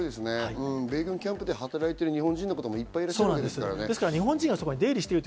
米軍キャンプで働いてる日本人の方も多いわけですからね。